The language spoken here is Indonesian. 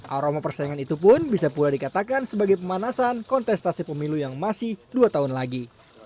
aroma persaingan itu pun bisa pula dikatakan sebagai pemanasan kontestasi pemilu yang masih dua tahun lagi